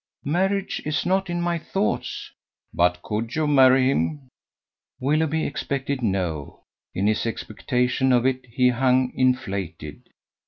"Marriage is not in my thoughts." "But could you marry him?" Willoughby expected no. In his expectation of it he hung inflated.